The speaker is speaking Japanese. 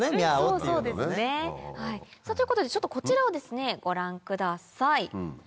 さぁということでこちらをですねご覧ください。